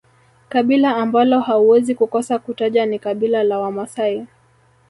kabila ambalo hauwezi kukosa kutaja ni kabila la Wamasai